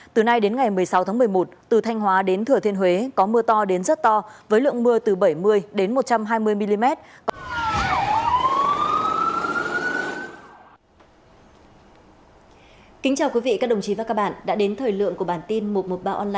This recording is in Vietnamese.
từ nay đến ngày một mươi sáu tháng một mươi một từ thanh hóa đến thừa thiên huế có mưa to đến rất to với lượng mưa từ bảy mươi đến một trăm hai mươi mm